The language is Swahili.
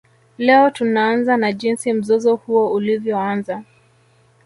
Leo tunaanza na jinsi mzozo huo ulivyoanza